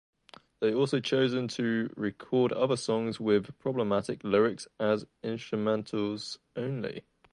They have also chosen to record other songs with problematic lyrics as instrumentals only.